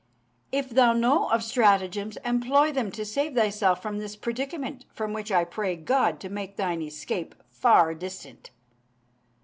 If thou know of stratagems, employ them to save thyself from this predicament from which I pray God to make thine escape far distant.